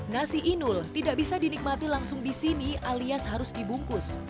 nasi inul tidak bisa dinikmati langsung di sini alias harus dibungkus